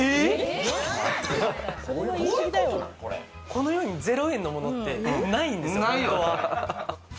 この世に０円のものってないんですよ、本当は。